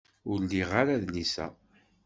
Ur liɣ ara adlis-a.